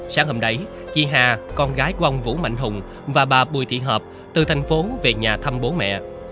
sáng hôm đấy chị hà con gái của ông vũ mạnh hùng và bà bùi thị hợp từ thành phố về nhà thăm bố mẹ